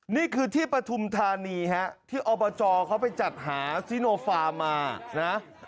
นี่คือที่ปฐุมธานีฮะที่อบจเขาไปจัดหาซิโนฟาร์มมานะ